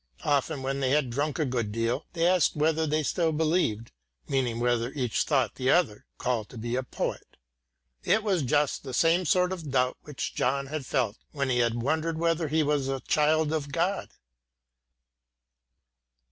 Often, when they had drunk a good deal, they asked whether they still believed meaning whether each thought the Other called to be a poet. It was just the same sort of doubt which John had felt when he had wondered whether he was a child of God.